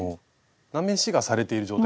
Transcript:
なめしがされている状態。